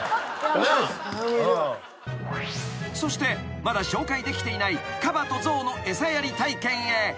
［そしてまだ紹介できていないカバと象の餌やり体験へ］